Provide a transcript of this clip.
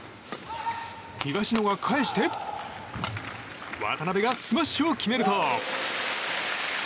東野が返して渡辺がスマッシュを決めると。